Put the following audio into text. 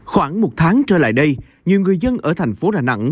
khoảng một tháng trở lại đây nhiều người dân ở thành phố đà nẵng